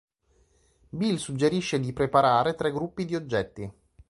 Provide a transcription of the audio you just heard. Bill suggerisce di preparare tre gruppi di oggetti.